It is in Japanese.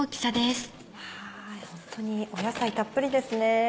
ホントに野菜たっぷりですね。